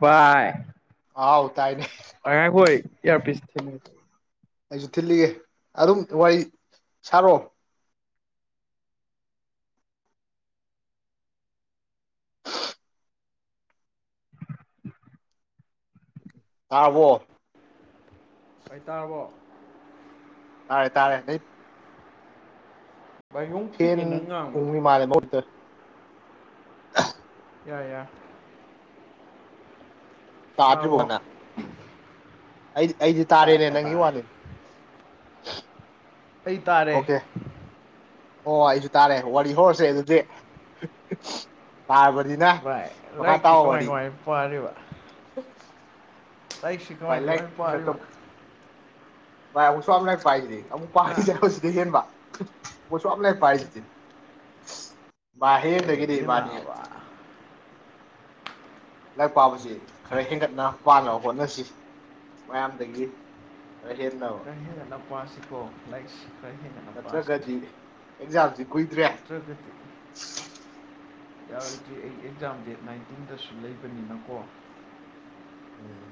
ꯄꯥꯏ꯫ ꯑꯥꯎ ꯇꯥꯏꯅꯦ ꯍꯣꯏ ꯉꯥꯏꯈꯣ ꯑꯩ ꯑꯌꯔꯄꯤꯁ꯫ ꯑꯩꯁꯨ ꯊꯤꯜꯂꯤꯒꯦ ꯑꯗꯨꯝ ꯋꯥꯔꯤ ꯁꯥꯔꯛꯑꯣ꯫ ꯇꯔꯥꯕꯣ꯫ ꯑꯣꯏꯇꯥꯔꯕꯣ꯫ ꯇꯥꯔꯦ ꯇꯥꯔꯦ ꯅꯩ꯫ ꯚꯥꯏ ꯌꯣꯡ ꯐꯦꯟ ꯄꯤꯛꯑꯦ ꯅꯪ ꯉꯥꯡꯕꯗꯣ ꯎꯂꯤ ꯃꯥꯔꯦꯇ꯫ ꯌꯥ ꯌꯥ꯫ ꯇꯥꯔꯕꯣ꯫ ꯇꯥꯗ꯭ꯔꯤꯕꯣꯅ ꯑꯩ ꯑꯩꯗꯤ ꯇꯥꯔꯦꯅꯦ ꯇꯥꯔꯦ ꯅꯪꯒꯤ ꯇꯥꯔꯦ ꯋꯥꯅꯤꯅꯦ꯫ ꯑꯩ ꯇꯥꯔꯦ꯫ ꯑꯣꯀꯦ ꯑꯣ ꯑꯩꯁꯨ ꯇꯥꯔꯦ ꯋꯥꯔꯤ ꯍꯧꯔꯁꯦ ꯑꯗꯨꯗꯤ꯫ ꯇꯥꯔꯕꯅꯤꯅ ꯚꯥꯏ ꯃꯈꯥ ꯂꯥꯏꯔꯤꯛꯁꯤ ꯇꯥꯕ ꯀꯃꯥꯏ ꯋꯥꯔꯤ꯫ ꯀꯃꯥꯏ ꯇꯏꯁꯨ ꯀ ꯚꯥꯏ ꯄꯥꯔ ꯌ ꯥꯏ ꯁꯣꯝꯅ ꯄꯥꯏꯗꯨꯛ ꯄꯥ ꯍꯥ ꯁꯤꯕ ꯎꯁꯣꯞꯂ ꯄꯥꯏꯖꯦꯗꯤ ꯍꯦ ꯈꯪꯗꯦ ꯂꯩꯦꯒꯗꯤꯕꯥꯅꯤ ꯅꯥꯕ ꯂꯥꯏꯔꯤꯛ ꯄꯥꯕꯁꯤ ꯈꯔ ꯍꯦꯟꯒꯠꯅ ꯄꯥꯅꯕ ꯍꯣꯠꯅꯁꯤ ꯃꯌꯥꯝꯗꯒꯤ ꯈꯔ ꯍꯦꯟꯅꯕ ꯈꯔ ꯍꯦꯟꯒꯠꯅ ꯄꯥꯁꯤꯀꯣ ꯂꯥꯏꯔꯤꯛꯁꯤ ꯈꯔ ꯍꯦꯟꯒꯠꯅ ꯅꯠꯇ꯭ꯔꯒꯗꯤ ꯑꯦꯛꯖꯥꯝꯁꯤ ꯀꯨꯏꯗ꯭ꯔꯦ ꯌꯥꯔꯤ ꯑꯦꯛꯖꯥꯝ ꯗꯦꯠ ꯅꯥꯏꯟꯇꯤꯟꯗꯁꯨ ꯂꯩꯕꯅꯤꯅꯀꯣ ꯎꯝ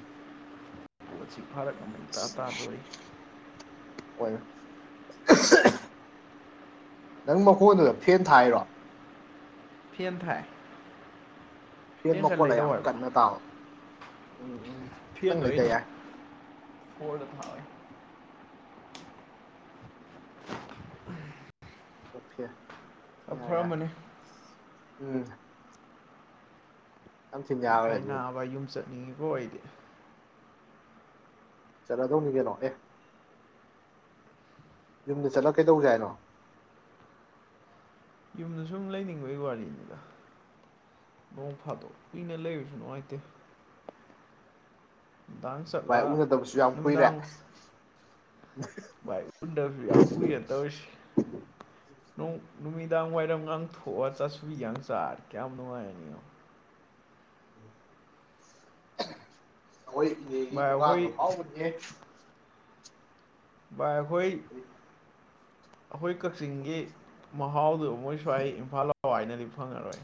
ꯣꯠ ꯑꯁꯤ ꯚꯥꯔꯠ ꯑꯃꯇꯥ ꯑꯁ ꯇꯥꯔꯣꯏ ꯅꯪ ꯃꯈꯣꯟꯗꯨꯗ ꯐꯦꯟ ꯊꯥꯏꯔꯣ ꯐꯦꯟ ꯊꯥꯏ ꯐꯦꯟ ꯈꯔ ꯃꯈꯣꯠꯂ ꯂꯩꯗꯧ ꯌꯥꯝ ꯍꯥꯏꯕ꯭ꯔꯣ ꯀꯟꯅ ꯇꯥꯑꯣ ꯎꯝ ꯎꯝ ꯈꯤꯇꯪ ꯂꯩꯇ ꯌꯥꯏ ꯍꯣ ꯊ ꯎꯝ ꯑꯣꯀꯦ ꯌꯥ ꯌꯥꯔ ꯎꯝ ꯌꯥꯝ ꯊꯤꯅ ꯌꯥꯈ꯭ꯔꯦ ꯄꯥꯏ ꯑꯗꯨꯗꯤ ꯕ ꯌꯨꯝ ꯆꯠꯅꯤꯡꯉꯤꯕ ꯑꯣꯏꯗꯤꯦ ꯆꯠꯂꯗꯧꯅꯤ ꯀꯩꯅꯣ ꯑꯦ ꯌꯨꯝꯗ ꯆꯠꯂ ꯀꯩꯗꯧꯁꯦ ꯍꯥꯏꯅꯣ ꯌꯨꯝꯗ ꯁꯨꯝ ꯂꯩꯅꯤꯡꯕꯒꯤ ꯋꯥꯔꯤꯅꯤꯗ ꯅꯣꯡ ꯐꯥꯗꯣꯛ ꯀꯨꯏꯅ ꯂꯩꯔꯁꯨ ꯅꯨꯡꯉꯥꯏꯇꯦ ꯃꯤꯗꯥꯡ ꯆꯠꯂ ꯚꯥꯏ ꯎꯅꯗꯕꯁꯨ ꯌꯥꯝ ꯀꯨꯏꯔꯦ ꯅꯨꯃꯤꯗꯥꯡ ꯚꯥꯏꯟꯗꯔꯌꯨ ꯌꯥꯝ ꯀꯨꯏꯌꯦꯅ ꯇꯧꯁꯤ ꯅꯨꯃꯤꯗꯥꯡ ꯋꯥꯏꯔꯝꯒꯥꯡ ꯊꯣꯛꯑ ꯆꯥꯁꯨꯕꯤꯒ ꯆꯥꯔꯦ ꯀꯌꯥꯝ ꯅꯨꯡꯉꯥꯏꯔꯅꯤ ꯑꯩꯈꯣꯏ ꯏꯅꯦꯒꯤ ꯚꯥꯏ ꯑꯩꯈꯣꯏ ꯀꯗꯣ ꯐꯥꯎꯕꯅꯦꯦ ꯕꯥꯏ ꯑꯩꯈꯣꯏ ꯑꯩꯈꯣꯏ ꯀꯛꯆꯤꯡꯒꯤ ꯃꯍꯥꯎꯗꯣ ꯃꯃꯣꯏ ꯁ꯭ꯋꯥꯏ ꯏꯝꯐꯥꯜ ꯂꯥꯎ ꯍꯥꯏꯅꯗꯤ ꯐꯪꯉꯔꯣꯏ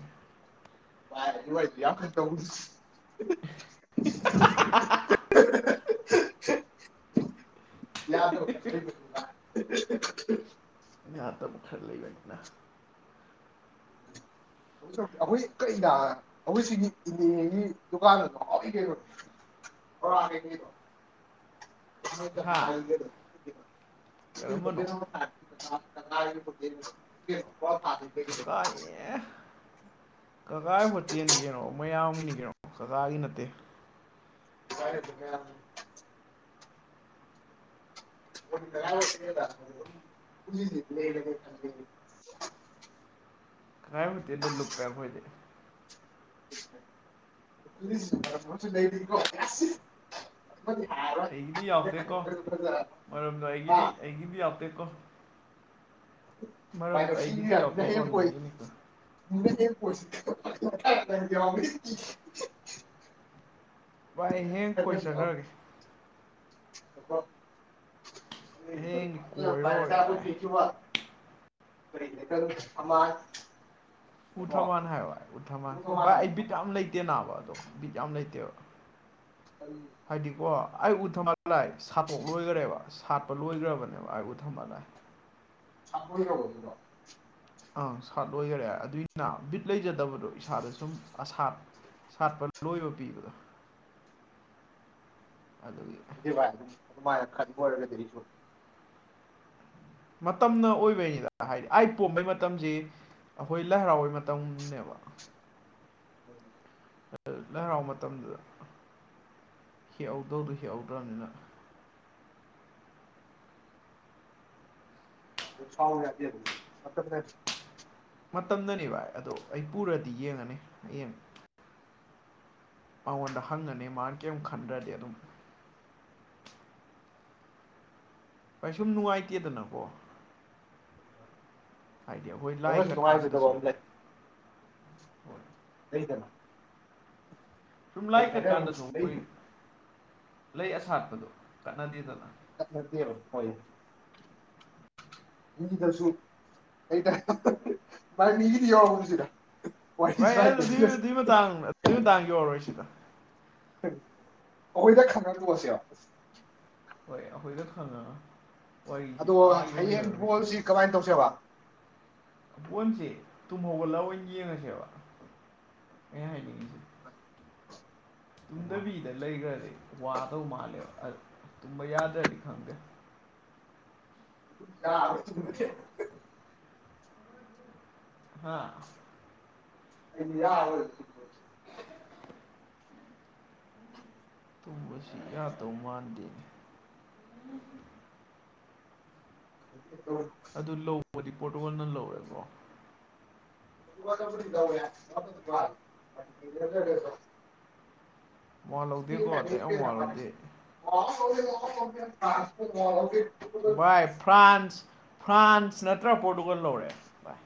ꯋꯥꯔ ꯏ ꯋꯥꯏꯗꯤꯦ ꯇ [unintelligible] [unintelligible] [unintelligible] ꯌꯥꯗ ꯅꯇꯕꯨ ꯈꯔ ꯂꯩꯒꯗꯅ [unintelligible] ꯁ ꯑꯩꯈꯣꯏ ꯀꯔꯤꯗ ꯑꯩꯈꯣꯏ ꯁꯤꯒꯤ ꯏꯅꯦꯒꯤ ꯗꯨꯀꯥꯟ ꯑꯗꯣ ꯍꯥꯎꯏ ꯀꯩꯣ ꯑꯣꯣ ꯍꯥ ꯀꯔꯝꯕꯅꯣ [unintelligible] ꯒꯤ ꯐ ꯀꯀꯥ [unintelligible] ꯑꯦ ꯀꯀꯥꯒꯤ ꯍꯣꯇꯦꯜꯗꯤ ꯀꯩꯅꯣ ꯃꯌꯥꯝꯒꯤꯅꯤ ꯀꯩꯅꯣ ꯀꯀꯥꯒꯤ ꯅꯠꯇꯦ ꯀꯥꯏ ꯀ [unintelligible] [unintelligible] [unintelligible] ꯀꯗꯥꯥꯏꯃꯨꯛꯇꯦꯗꯣ ꯂꯨꯞꯄꯦ ꯑꯩꯈꯣꯏꯗꯤ ꯀꯣ ꯑꯩꯒꯤꯗꯤ ꯌꯥꯇꯦꯀꯣ ꯃꯔꯝꯗ ꯑꯩꯒꯤꯗꯤ ꯑꯩꯒꯤꯗꯤ ꯌꯥꯇꯦꯀꯣ ꯃꯥꯏꯅ ꯁꯤ ꯌꯥꯝꯅ ꯍꯌꯦ ꯌꯥꯎꯗꯦꯀꯣ ꯀꯣꯏꯅ ꯅꯣꯏꯒꯤꯅꯤꯀꯣ ꯍꯌꯦ ꯀꯣꯏꯁꯤ [unintelligible] [unintelligible] ꯚꯏ ꯍꯌꯦ ꯀꯣꯏ ꯆꯈ꯭ꯔꯒꯦ ꯆ ꯀꯃ ꯍꯌꯦꯡꯗꯤ ꯀꯣꯏꯔꯨꯔꯒꯦ ꯚꯥꯏ [unintelligible] ꯐꯔꯤꯗꯇ ꯑꯃ [unintelligible] ꯀꯣ ꯎꯊꯃꯥꯟ ꯍꯥꯏ ꯚꯥꯏ ꯎꯊꯃꯥꯟ ꯎ ꯚꯥꯏ ꯀꯃꯥꯏꯅ ꯑꯩꯕꯤ ꯀꯝ ꯂꯩꯇꯦ ꯅꯥꯕ ꯕꯤꯠ ꯌꯥꯝ ꯂꯩꯇꯦꯕ ꯀꯔꯤ ꯍꯥꯏꯗꯤꯀꯣ ꯑꯩ ꯎ ꯊꯝꯃꯒ ꯂꯥꯏ ꯁꯥꯠꯇꯣꯛ ꯂꯣꯏꯈ꯭ꯔꯦꯕ ꯁꯥꯠꯄ ꯂꯣꯏꯈ꯭ꯔꯕꯅꯦꯕ ꯑꯩ ꯎ ꯊꯃ ꯂꯥꯏ ꯆꯔꯔꯣ ꯑꯪ ꯁꯥꯠ ꯂꯣꯏꯈꯔꯦ ꯑꯗꯨꯏꯅ ꯕꯤꯠ ꯂꯩꯖꯗꯕꯗꯣ ꯏꯁꯥꯗ ꯁꯨꯝ ꯑꯁꯥꯠ ꯁꯥꯠꯄ ꯂꯣꯏꯕ ꯄꯤꯕꯗꯣ ꯑꯗꯨ ꯑꯗꯨ ꯚꯥꯏ ꯑꯗꯨꯝ ꯑꯗꯨꯃꯥꯏꯅ ꯈꯗꯤ ꯑꯣꯏꯔꯒꯗꯤ ꯑꯩꯁꯨ ꯃꯇꯝꯅ ꯑꯣꯏꯕꯩꯅꯤꯗ ꯍꯥꯏꯗꯤ ꯑꯩ ꯄꯣꯝꯕꯩ ꯃꯇꯝꯁꯤ ꯑꯩꯈꯣꯏ ꯂꯥꯏ ꯍꯔꯥꯎꯕꯩ ꯃꯇꯝꯅꯦꯕ ꯍꯝ ꯂꯔꯥꯎ ꯃꯇꯝꯗꯨꯗ ꯍꯤꯍꯧꯗꯧꯗꯣ ꯍꯦꯛ ꯌꯥꯧꯗ꯭ꯔꯅꯤꯅ ꯑꯣ ꯌꯥꯗ ꯑꯗꯨ ꯃ ꯐ ꯃꯇꯝꯗꯅꯤ ꯚꯥꯏ ꯑꯗꯣ ꯑꯩ ꯄꯨꯔꯗꯤ ꯌꯦꯡꯉꯅꯤ ꯍꯌꯦꯡ ꯃꯉꯣꯟꯗ ꯍꯪꯉꯅꯤ ꯃꯥꯅ ꯀꯔꯤꯝ ꯈꯟꯗ꯭ꯔꯗꯤ ꯑꯗꯨꯝ ꯑꯩꯩꯁꯨꯝ ꯅꯨꯡꯉꯥꯏꯇꯦꯗꯅꯀꯣ ꯍꯥꯏꯗꯤ ꯑꯩꯈꯣꯏ ꯂꯥꯏ ꯅꯪꯅꯁꯨ ꯅꯨꯡꯉꯥꯏꯖꯗꯕ ꯀꯠꯀꯥꯟꯗꯁꯨ ꯑꯃ ꯂꯩ ꯍꯣꯏ ꯗꯅ ꯁꯨꯝ ꯂꯥꯏ ꯀꯛ ꯀꯥꯟꯗꯁꯨ ꯑꯩꯈꯣꯏ ꯂꯩꯗꯅ ꯂꯩ ꯑꯁꯥꯠꯄꯗꯣ ꯀꯠꯅꯗꯦꯗꯅ ꯅ ꯍꯣꯏ ꯃꯤꯗꯁꯨ ꯚꯥꯏ ꯃꯤꯒꯤꯗꯤ ꯌꯥꯎꯁꯤꯔ [unintelligible] ꯚꯥꯏ ꯑꯗꯨꯏ ꯑꯗꯨꯏ ꯃꯇꯥꯡ ꯑꯗꯨꯏ ꯃꯇꯥꯡꯒꯤ ꯌꯥꯎꯔꯔꯣꯏ ꯁꯤꯗ ꯑꯣꯏꯗ ꯈꯪ ꯒ ꯇꯣꯛꯑꯁꯤꯂꯣ ꯍꯣꯏ ꯑꯩꯈꯣꯏꯒ ꯈꯪꯉꯒ ꯋꯥꯔꯤꯁꯤ ꯑꯗꯣ ꯑꯥ ꯍꯌꯦꯡ ꯌꯧꯍꯜꯂꯔꯣꯏꯁꯤꯗ ꯕꯣꯜꯁꯤ ꯀꯃꯥꯏꯅ ꯇꯧꯁꯦꯕ ꯄꯣꯟꯁꯦ ꯇꯨꯝꯍꯒꯠꯂꯑꯣ ꯌꯦꯡꯉꯁꯦꯕ ꯑꯩꯅ ꯍꯥꯏꯅꯤꯡꯉꯁꯤ ꯇꯨꯝꯗꯕꯤꯗ ꯂꯩꯈ꯭ꯔꯗꯤ ꯋꯥꯗꯧ ꯃꯥꯜꯂꯦꯕ ꯇꯨꯝꯕ ꯌꯥꯗ꯭ꯔꯗꯤ ꯈꯪꯗꯦ ꯌꯥ ꯍꯥꯥ ꯑꯗꯤ ꯌꯔꯣꯏꯕ ꯇꯨꯝꯕꯁꯤ ꯌꯥꯗꯧ ꯃꯥꯟꯗꯦ ꯎ ꯕꯣꯜꯗꯥ ꯄꯣꯔꯠꯇꯨ ꯒꯜ ꯅ ꯂꯧꯔꯦꯀꯣ [unintelligible] ꯋꯥ ꯂꯧꯗꯦꯀꯣ ꯑꯇꯩ ꯑꯃ ꯋꯥ ꯂꯧꯗꯦ [unintelligible] ꯚꯏ ꯐ꯭ꯔꯥꯟꯁ ꯐ꯭ꯔꯥꯟꯁ ꯅꯠꯇ꯭ꯔ ꯄꯣꯔꯇꯨꯒꯜ ꯂꯧꯔꯦ ꯚꯥꯏ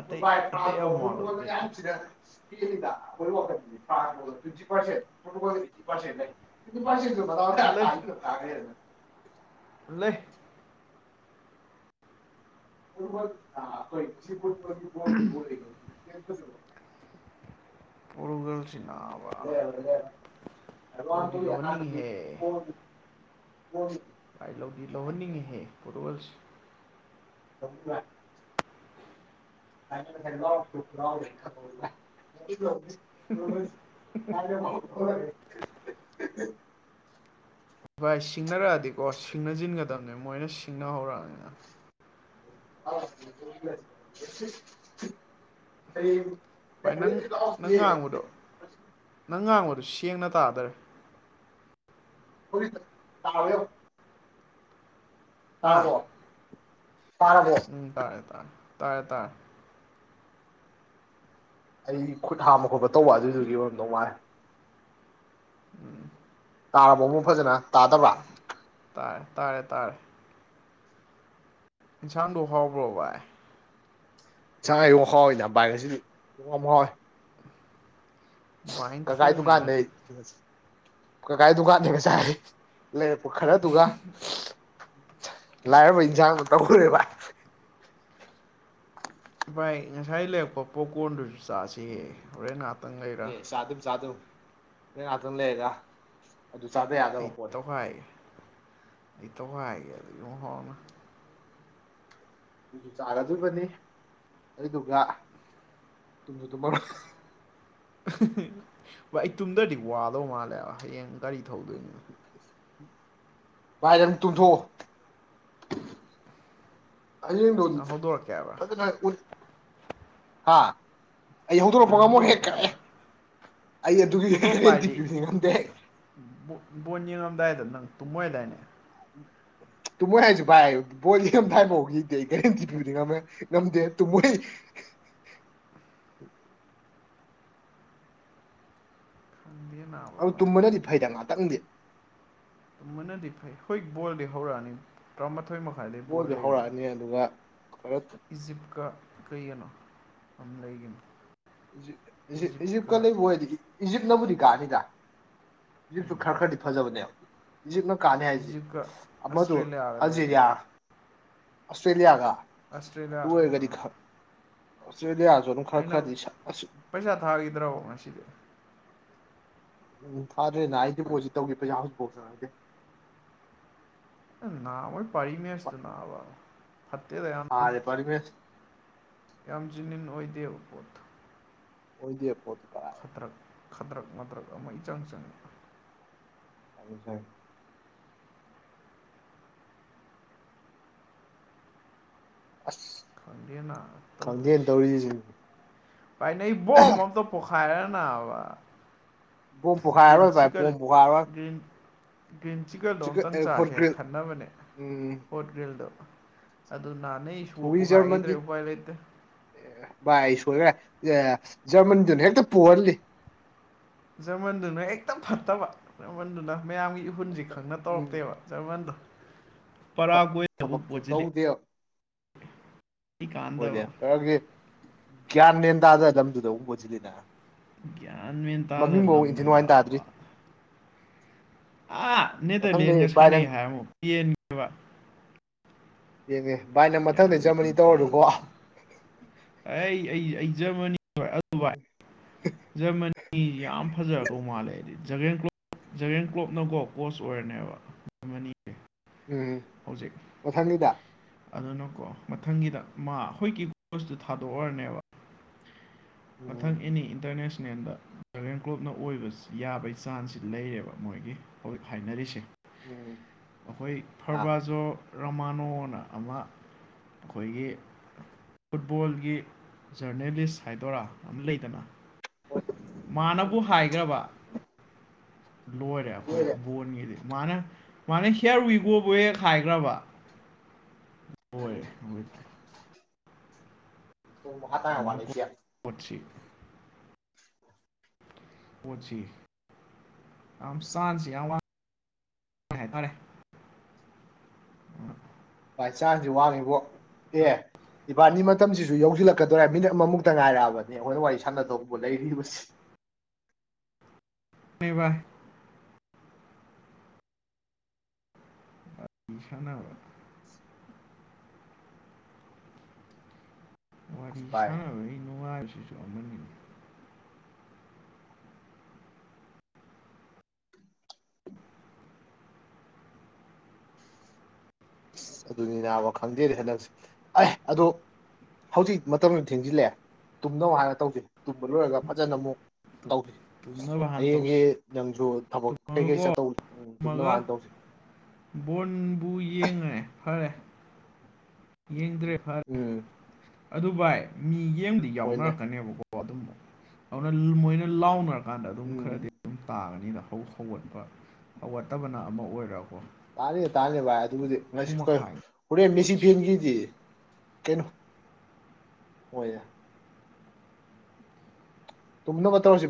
ꯑꯇꯩ ꯥꯏ ꯑꯇꯩ ꯇꯥꯟꯄ ꯑꯃ ꯋꯥ ꯐꯨꯠꯕꯣꯜꯗ ꯂꯧꯗꯦ ꯌꯥꯁꯤꯔ [unintelligible] ꯃ ꯇꯥꯏ ꯂꯩ ꯇꯥꯉꯦ ꯍꯥꯏꯦ ꯄꯂꯦ [unintelligible] ꯎꯝ ꯌꯦ ꯊꯁꯨꯕꯣ [unintelligible] ꯄꯨꯔꯨꯒꯜ ꯂꯩꯔꯔꯣꯏ ꯂꯧꯗꯤ ꯔꯣꯅꯥꯜꯗꯣꯒꯤ ꯑꯍꯥꯟꯕꯒꯤ ꯂꯨꯍꯟꯅꯤꯡꯍꯦ ꯒꯣꯜꯗꯨ ꯒꯣꯜꯗꯨꯗꯤ ꯂꯧꯗꯤ ꯂꯧꯍꯟꯅꯤꯡꯉꯤꯍꯦ ꯄꯨꯨꯦꯜꯁꯦ ꯑ ꯀꯈ꯭ꯔ [inaudible] [unintelligible] ꯀꯦ [inaudible] ꯚꯥꯏ ꯁꯤꯡꯅꯔꯛꯑꯗꯤꯀꯣ ꯁꯤꯡꯅꯁꯤꯟꯒꯗꯝꯕꯅꯦ ꯃꯣꯏꯅ ꯁꯤꯡꯅꯍꯧꯔꯛꯑꯅꯤꯅ [inaudible] ꯚꯥꯏ ꯅꯪ ꯅꯪ ꯉꯥꯡꯕꯗꯣ ꯅꯪ ꯉꯥꯡꯕꯗ ꯑꯗꯨ ꯁꯦꯡꯅ ꯇꯥꯗꯔ ꯇꯕꯔ ꯍꯥ ꯇꯥꯔꯕꯣ ꯎꯝ ꯇꯥꯏꯔꯦ ꯇꯔꯦ ꯇꯔꯦ ꯑꯩ ꯈꯨꯠ ꯍꯥꯝꯕ ꯈꯣꯠꯄ ꯇꯧꯕ ꯑꯗꯨꯏꯗꯨꯒꯤ ꯑꯣꯏꯔꯝꯗꯨ ꯃꯥꯟꯂꯦ ꯇꯥꯔꯕ ꯑꯃꯛ ꯐꯖꯅ ꯇꯥꯗꯕ꯭ꯔꯥ ꯍꯣꯏ ꯇꯥꯔꯦ ꯇꯥꯔꯦ ꯇꯥꯔꯦ ꯏꯟꯁꯥꯟꯗꯣ ꯍꯥꯎꯕ꯭ꯔꯣ ꯕꯥꯏ ꯁꯉ ꯌꯦ ꯍꯥꯎꯋꯤꯗ ꯕꯥꯏꯁꯤꯗꯤ ꯌꯦ ꯍꯥꯎꯋꯦ ꯚꯥꯏꯅ ꯀꯀꯥꯒꯤ ꯊꯣꯡꯕꯅꯤꯅ ꯗꯨꯀꯥꯟꯗꯩ ꯀꯀꯥꯒꯤ ꯗꯨꯀꯥꯟꯗꯒꯤ ꯆꯥꯏ ꯂꯩꯔꯛꯄ ꯈꯔꯗꯨꯒ ꯂꯥꯏꯔꯕ ꯏꯟꯁꯥꯡꯗꯨ ꯇꯧꯈꯔꯦ ꯕꯥꯏ ꯚꯥꯏ ꯉꯁꯥꯏ ꯂꯩꯔꯛꯄ ꯄꯣꯞꯀꯣꯔꯟꯗꯨꯁꯨ ꯆꯥꯁꯦ ꯍꯣꯔꯦꯟ ꯉꯍ ꯑꯦ ꯆꯥ ꯑꯗꯨꯝ ꯆ ꯅꯪꯅꯥꯛ ꯑꯗꯨ ꯂꯩꯔ ꯑꯗꯨ ꯆꯥꯗ ꯌꯥꯗꯕ ꯄꯣꯠ ꯑꯩꯇꯣꯏ ꯌꯨꯝꯍ ꯑꯗꯨꯁꯨ ꯆꯥꯒꯗꯕꯅꯤ ꯑꯗꯨꯗꯨꯒ ꯇꯁꯨ ꯇꯨꯃꯔꯣꯏ ꯚꯥꯏ ꯑꯩ ꯇꯨꯝꯗ꯭ꯔꯗꯤ ꯋꯥꯗꯧ ꯃꯥꯜꯂꯦꯕ ꯍꯌꯦꯡ ꯒꯥꯔꯤ ꯊꯧꯗꯣꯏꯅꯤꯅ ꯚꯥꯏ ꯅꯪ ꯇꯨꯝꯊꯣꯛꯑꯣ ꯍꯌꯦꯡꯗꯣ ꯅꯪ ꯍꯧꯗꯣꯔꯛꯀꯦ ꯍꯥꯏꯕ꯭ꯔꯥ ꯐꯖꯅ ꯎꯠ ꯍ ꯑꯩ ꯍꯧꯗꯣꯔꯛꯄ ꯅꯪ ꯉꯝꯃꯣꯏ ꯍꯦꯛ ꯍꯧꯗꯣꯔꯛꯀꯦ ꯀꯥꯏꯑꯦ ꯍꯥꯏꯕ꯭ꯔꯥ ꯑꯩ ꯍꯧꯗꯣꯔꯛꯄ ꯑꯗꯨꯒꯤꯟ ꯇꯤ ꯄꯌꯨꯗꯤ ꯉꯝꯗꯦ ꯉꯝꯗ ꯍꯥꯏꯗꯪ ꯇꯨꯝꯃꯗ ꯍꯥꯏꯅꯦ ꯇꯨꯝꯃꯣꯏ ꯍꯥꯏꯁꯨ ꯚꯥꯏ ꯕꯣꯏ ꯏꯝ ꯊ ꯍꯥꯏꯕꯈꯤꯗꯦ ꯑꯩ ꯒꯦꯔꯦꯟꯇꯤ ꯄꯤꯕꯗꯤ ꯉꯝꯃꯦ ꯉꯝꯗꯦ ꯇꯨꯝꯃꯣꯏ ꯎ ꯈꯪꯗꯦ ꯅꯥꯕ ꯑꯗꯨ ꯚꯥꯏ ꯇꯨꯝꯕꯅꯗꯤ ꯐꯩꯗ ꯉꯥꯛꯇꯪꯗꯦ ꯃꯅꯗꯤ ꯐꯥꯏ ꯍꯣꯏ ꯒꯜꯗꯤ ꯍꯧꯔꯛꯑꯅꯤ ꯑꯊꯣꯏ ꯃꯈꯥꯏꯗꯩ ꯕꯣꯔ ꯕꯣꯜꯗꯤ ꯂꯩꯕꯅꯤ ꯍꯧꯔꯛꯑꯅꯤ ꯑꯗꯨꯒ ꯈꯔ ꯏꯖꯤꯞꯀ ꯀꯩꯒꯅꯣ ꯑꯗꯨꯝ ꯂꯩꯒꯅꯤ ꯏꯖꯤꯞꯀ ꯂꯩꯕꯨ ꯑꯣꯏ ꯑꯗꯒꯤ ꯏꯖꯤꯞꯅꯕꯨꯗꯤ ꯀꯥꯅꯤꯗ ꯍꯧꯖꯤꯛꯁꯨ ꯈꯔ ꯈꯔꯗꯤ ꯐꯖꯕꯅꯦ ꯏꯖꯤꯞꯅ ꯀꯥꯜꯂꯤ ꯍꯥꯏꯁꯦ ꯏꯖꯤꯞꯀ ꯑꯃꯗꯨ ꯑꯁꯇ꯭ꯔꯦꯂꯤꯌꯥꯒ ꯂꯩꯕꯅꯤ ꯑꯜꯖꯤꯔꯤꯌꯥ ꯑꯁꯇ꯭ꯔꯦꯂꯤꯌꯥꯒ ꯑꯁꯇ꯭ꯔꯦꯂꯤꯌꯥ ꯑ ꯑꯣꯁꯇ꯭ꯔꯦꯂꯤꯌꯥꯌꯥ ꯍꯥꯏꯖꯣꯅ ꯈꯔ ꯈꯔꯗꯤꯁ ꯄꯩꯁꯥ ꯊꯥꯈꯤꯗ꯭ꯔꯣ ꯉꯁꯤꯗꯤ ꯎꯝ ꯊꯥꯗꯦ ꯅ ꯑꯩꯗꯤ ꯄꯣꯠꯁꯤ ꯇꯧꯒꯦ ꯄꯩꯁꯥ ꯍꯧꯖꯤꯛ ꯐꯥꯎ ꯆꯔꯒꯦ ꯅꯑꯣꯏ ꯄꯔꯤꯃꯦꯁ ꯅꯅꯥꯕ ꯐꯠꯇꯦꯗ ꯌꯥꯅ ꯊꯥꯁꯦ ꯄꯔꯃꯦꯁ ꯌꯥꯝ ꯖꯅꯤꯟ ꯑꯣꯏꯗꯦꯕ ꯄꯣꯠ ꯑꯣꯏꯗꯤ ꯄꯣꯠꯇ ꯈꯗ꯭ꯔꯛ ꯈꯗ꯭ꯔꯛ ꯃꯗ꯭ꯔꯛ ꯑꯃ ꯏꯆꯪ ꯆꯪꯉꯤ ꯑꯗꯨꯁꯥꯏ ꯑꯁ ꯈꯪꯗ ꯈꯪꯗꯦꯅ ꯇꯧꯁ ꯇꯧꯔꯤꯁꯤꯡ ꯄꯥꯏꯅꯣꯝ ꯄꯣ ꯐꯔꯅ ꯑꯋꯥ ꯄꯣꯝ ꯄꯨꯈꯥꯔꯣꯏ ꯚꯥꯏ ꯄꯣꯝ ꯄꯨꯈꯥꯔꯣꯏ ꯒ꯭ꯔꯤꯟ ꯒ꯭ꯔꯤꯟ ꯆꯤꯛꯀꯟꯗꯣ ꯑꯨꯇꯪ ꯆꯥꯁꯦ ꯍꯦꯛ ꯒ꯭ꯔꯤꯜ ꯈꯟꯅꯕꯅꯦ ꯎꯝ ꯑꯣꯠ ꯒ꯭ꯔꯤꯜꯗꯣ ꯑꯗꯨ ꯅꯥꯟꯅꯩ ꯑꯩ ꯊꯨꯏ ꯁꯄꯨ ꯖꯔꯃꯟꯗꯤ ꯍꯥꯏꯈꯤꯗ꯭ꯔꯦ ꯎꯄꯥꯏ ꯂꯩꯇꯦ ꯈ꯭ꯔꯦ ꯖꯔꯃꯟꯗꯨꯅ ꯍꯦꯛꯇ ꯄꯨꯍꯜꯂꯤ ꯖꯃꯟꯗꯨꯅ ꯑꯦꯛꯇꯝ ꯐꯠꯇꯕ ꯖꯃꯟꯗꯨꯅ ꯃꯌꯥꯝꯒꯤ ꯏꯍꯨꯟꯁꯤ ꯈꯪꯅ ꯎꯝ ꯇꯧꯔꯛꯇꯦꯕ ꯖꯔꯃꯟꯗꯣ ꯄꯔꯥꯒꯣꯏ ꯍꯥꯏꯕꯨ ꯊꯕꯛꯇꯨ ꯄꯣꯠꯆꯂꯤ ꯇꯧꯗꯦꯕ ꯍꯣꯏꯅꯦ ꯀꯗꯤ ꯒ꯭ꯌꯥꯟ ꯂꯦꯟ ꯇꯥꯗꯅ ꯂꯝꯗꯨꯗ ꯑꯃꯨꯛ ꯄꯨꯁꯤꯜꯂꯤꯅ ꯒ꯭ꯌꯥꯟ ꯃꯦꯟ ꯇꯥꯗ ꯂꯝꯗꯨꯗ ꯅꯨꯡꯉꯥꯏꯅ ꯇꯥꯗ꯭ꯔꯤ ꯑꯋꯥ ꯑ ꯃꯊꯪꯗꯩ ꯅꯦꯗꯔꯂꯦꯟꯒ ꯚꯥꯏ ꯁꯅꯩ ꯅꯪ ꯍꯃꯣ ꯄ ꯑꯦꯟꯒꯕ ꯌꯦꯡꯅꯦ ꯚꯥꯏꯅ ꯃꯊꯪꯗ ꯃꯦꯟ ꯖꯃꯅꯤ ꯇꯧꯔꯅꯨꯀꯣ ꯇꯥꯗ ꯑꯩ ꯑꯩ ꯖꯔꯃꯅꯤ ꯗꯨꯕꯥꯏ ꯖꯔꯃꯅꯤꯁꯤ ꯌꯥꯝ ꯐꯖꯕ ꯀꯧ ꯃꯥꯜꯂꯦꯗꯤ ꯖꯒꯦꯟ ꯀ꯭ꯂꯣꯞ ꯖꯒꯦꯟ ꯀ꯭ꯂꯣꯞꯅꯀꯣ ꯀꯣꯁ ꯑꯣꯏꯔꯅꯦꯕꯃꯅꯤꯁꯦ ꯎꯝ ꯑꯣꯊꯪꯅꯤꯗ ꯑꯗꯨꯅꯀꯣ ꯃꯊꯪꯒꯤꯗ ꯃꯥ ꯍꯈꯣꯏ ꯀꯤꯀꯁꯇꯨ ꯊꯥꯗꯣꯛꯑꯔꯅꯦꯕ ꯎꯝ ꯃꯊꯪ ꯑꯦꯅꯤ ꯏꯟꯇꯔꯅꯦꯁꯅꯦ ꯁꯅꯦꯟꯗ ꯗ꯭ꯔꯒꯦꯟ ꯀ꯭ꯂꯣꯞꯅ ꯑꯣꯏꯕ ꯌꯥꯕꯒꯤ ꯆꯥꯟꯁꯁꯤ ꯂꯩꯔꯦꯕ ꯃꯣꯏꯒꯤ ꯍꯧꯖꯤꯛ ꯍꯥꯏꯅꯔꯤꯁꯦ ꯎꯝ ꯑꯩꯈꯣꯏ ꯑꯥ ꯐꯔꯕꯥꯖꯣ ꯔꯃꯥꯅꯣꯅ ꯑꯃ ꯑꯩꯈꯣꯏꯒꯤ ꯐꯨꯠꯕꯣꯜꯒꯤ ꯖꯔꯅꯦꯂꯤꯁ ꯍꯥꯏꯗꯣꯏꯔꯥ ꯂꯩꯗꯅ ꯃꯥꯅꯕꯨ ꯍꯥꯏꯈ꯭ꯔꯕ ꯂꯣꯏꯔꯦ ꯑꯩꯈꯣꯏ ꯕꯣꯟꯒꯤꯗꯤ ꯃꯥꯅꯦ ꯃꯥꯅꯦ ꯍꯦꯌꯥꯔ ꯎꯏꯒꯣꯕ ꯈꯥꯏꯈ꯭ꯔꯕ ꯍꯣꯏꯦ ꯑꯣꯏꯣꯏ ꯋꯥ ꯇꯋꯥꯦ ꯑꯃꯨꯛꯅ ꯀꯌꯥ ꯀꯣꯠꯁꯤ ꯑꯣ ꯑ ꯁꯁꯤ ꯑ ꯋꯥ ꯍꯥꯏ ꯇꯔꯦ ꯕꯥꯏ ꯆꯥꯟꯁꯁꯨ ꯋꯥꯡꯉꯦꯕꯣ ꯑꯦ ꯏꯕꯥꯅꯤ ꯃꯇꯝꯁꯤꯁꯨ ꯌꯧꯁꯤꯜꯂꯛꯀꯗꯣꯏꯔ ꯃꯤꯅꯤꯠ ꯑꯃꯃꯨꯛꯇ ꯉꯥꯏꯔꯛꯑꯕꯅꯦ ꯑꯩꯈꯣꯏꯅ ꯋꯥꯔꯤ ꯁꯥꯟꯅꯗꯧꯕ ꯂꯩꯔꯤꯕꯁꯤ [inaudible] ꯕꯥꯏ ꯁꯅ ꯑꯁ ꯋꯥꯔꯤꯔꯤ ꯚꯥꯏ ꯁꯅꯔ ꯅꯨꯡꯉ ꯍꯥꯏꯁꯨꯁꯨ ꯑꯃꯅꯤꯅꯤꯅꯤ ꯑꯁ ꯑꯗꯨꯅꯤ ꯅꯥꯕ ꯈꯪꯗꯦꯗꯤ ꯍꯟꯗꯛꯁꯦ ꯑꯦ ꯑꯗꯣ ꯍꯧꯖꯤꯛ ꯃꯇꯝꯗꯨ ꯊꯦꯡꯖꯤꯜꯂꯛꯑꯦ ꯇꯨꯝꯅꯧ ꯍꯥꯏꯔ ꯇꯧꯁꯦ ꯇꯨꯝꯕ ꯂꯣꯏꯔꯒ ꯐꯖꯅ ꯑꯃꯨꯛ ꯇꯧꯁꯤ ꯇꯨꯝꯅꯕ ꯍꯥꯟꯅ ꯍꯌꯦꯡꯁ ꯇꯧꯁꯤ ꯅꯪꯁꯨ ꯊꯕꯛ ꯀꯩꯀꯩ ꯇꯨꯝꯃꯒꯀꯣ ꯆꯠꯇꯧꯕ ꯑꯗꯨꯝꯗ ꯃꯥꯅ ꯇꯧꯁꯤ ꯕꯣꯔꯕꯨ ꯌꯦꯡꯉꯦ ꯐꯔꯦ ꯌꯦꯡꯗ꯭ꯔꯦ ꯎꯝ ꯐꯔꯦ ꯎꯝ ꯑꯗꯨ ꯚꯥꯏ ꯃꯤ ꯌꯦꯡꯕꯗꯤ ꯍꯣꯏꯅꯦ ꯌꯥꯎꯅꯔꯛꯀꯅꯦꯕꯀꯣ ꯑꯗꯨꯝ ꯑꯗꯨꯅ ꯃꯣꯏꯅ ꯂꯥꯎꯅꯔꯛ ꯀꯥꯟꯗ ꯑꯗꯨꯝ ꯎꯝ ꯈꯔꯗꯤ ꯑꯗꯨꯝ ꯇꯥꯡꯉꯅꯤꯅ ꯍꯧꯒꯠꯄ ꯍꯧꯒꯠꯇꯕꯅ ꯑꯃ ꯑꯣꯏꯔꯣ ꯇꯥꯅꯤ ꯇꯥꯅꯤ ꯚꯥꯏ ꯑꯗꯨꯕꯨꯗꯤ ꯉ ꯍꯣꯔꯦꯟ ꯃꯦꯁꯤ ꯐꯦꯟꯒꯤꯗꯤ ꯀꯩꯅꯣ ꯑꯣꯏ ꯌꯥ ꯇꯨꯝꯅ ꯀꯇꯥꯔꯁꯤ